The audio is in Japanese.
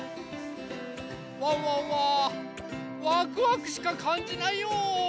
ワンワンはワクワクしかかんじないよ。